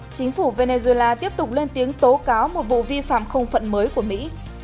chính phủ venezuela tiếp tục lên tiếng tố cáo một vụ vi phạm không phận mới của mỹ